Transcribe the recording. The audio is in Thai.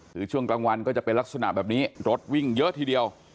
คือช่วงกลางวันก็จะเป็นลักษณะแบบนี้รถวิ่งเยอะทีเดียว